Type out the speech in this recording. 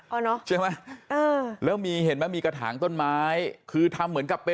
อ๋อเนอะใช่ไหมเออแล้วมีเห็นไหมมีกระถางต้นไม้คือทำเหมือนกับเป็น